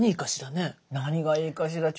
何いいかしらね。